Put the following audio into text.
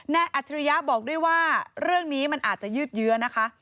อัจฉริยะบอกด้วยว่าเรื่องนี้มันอาจจะยืดเยื้อนะคะ